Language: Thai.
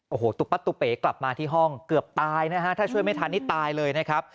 โอ้โหตุ๊ปัตตุเป๋กลับมาที่ห้องเกือบตายนะฮะถ้าช่วยไม่ทันนี่ตายเลยนะครับ